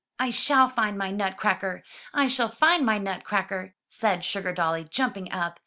*'I shall find my Nutcracker! I shall find my Nut cracker!'' said Sugardolly, jumping up.